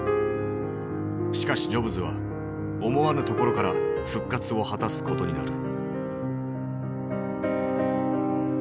しかしジョブズは思わぬところから復活を果たすことになる。